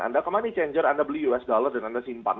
anda ke money changer anda beli us dollar dan anda simpan